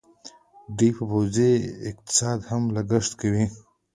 دوی په پوځي اقتصاد هم لګښت کوي.